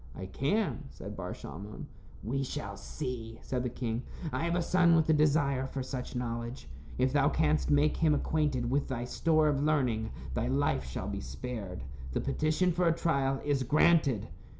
"I can," said Bar Shalmon. "We shall see," said the king. "I have a son with a desire for such knowledge. If thou canst make him acquainted with thy store of learning, thy life shall be spared. The petition for a trial is granted."